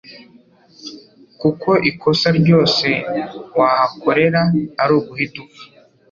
kuko ikosa ryose wahakorera ari uguhita upfa,